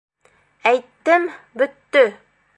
Әйттем - бөттө!